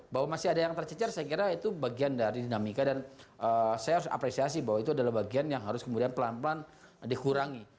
bahwa masih ada yang tercecer saya kira itu bagian dari dinamika dan saya harus apresiasi bahwa itu adalah bagian yang harus kemudian pelan pelan dikurangi